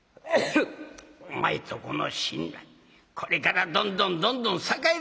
お前とこの身代これからどんどんどんどん栄えるぞ！